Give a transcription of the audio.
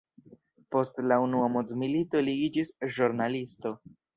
Post la unua mondmilito li iĝis ĵurnalisto.